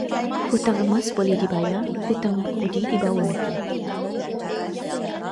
Hutang emas boleh dibayar, hutang budi dibawa mati.